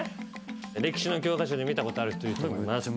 歴史の教科書で見たことある人いると思います。